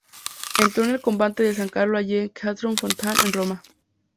Entró en el convento de San Carlo alle Quattro Fontane en Roma.